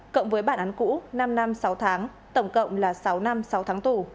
cộng với bản án cũ năm năm sáu tháng tổng cộng là sáu năm sáu tháng tù